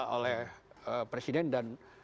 oleh presiden dan